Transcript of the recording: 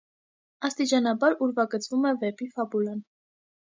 Աստիճանաբար ուրվագծվում է վեպի ֆաբուլան։